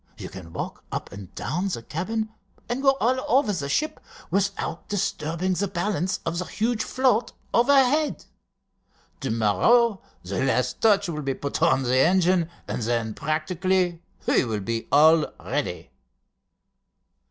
You can walk up and down the cabin and go all over the ship, without disturbing the balance of the huge float overhead. To morrow the last touch will be put on the engine, and then practically we will be all ready."